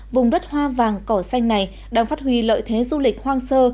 vùng đất hoa vàng cỏ xanh này đang phát huy lợi thế du lịch hoang sơ